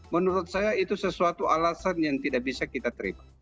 menurut saya itu sesuatu alasan yang tidak bisa kita terima